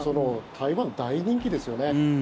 台湾、大人気ですよね。